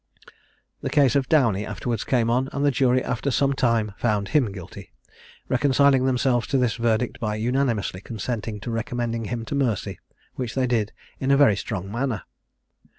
The case of Downie afterwards came on; and the jury after some time found him guilty, reconciling themselves to this verdict, by unanimously consenting to recommending him to mercy, which they did in a very strong manner.